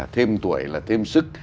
thêm tuổi là thêm sức